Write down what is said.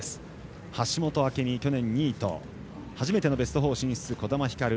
橋本朱未、去年２位と初めてのベスト４進出児玉ひかる。